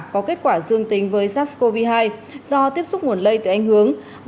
có kết quả dương tính với sars cov hai do tiếp xúc nguồn lây từ anh hướng